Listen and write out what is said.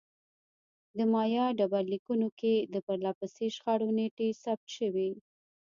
د مایا ډبرلیکونو کې د پرله پسې شخړو نېټې ثبت شوې